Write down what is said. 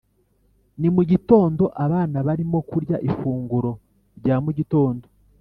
ni mu gitondo. abana barimo kurya ifunguro rya mu gitondo.